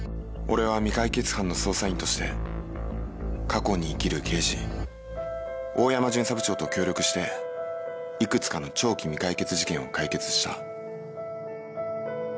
俺は未解決班の捜査員として過去に生きる刑事大山巡査部長と協力していくつかの長期未解決事件を解決した。